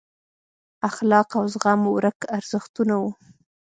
اخلاق او زغم ورک ارزښتونه وو.